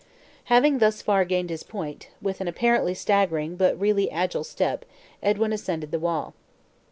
Having thus far gained his point, with an apparently staggering, but really agile step, Edwin ascended the wall.